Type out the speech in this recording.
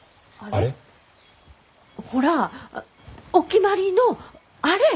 ほらお決まりの「あれ」！